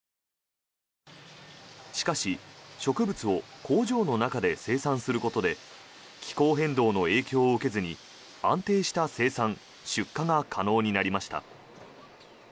しかし、植物を工場の中で生産することで気候変動の影響を受けずに安定した生産・出荷が可能になりました。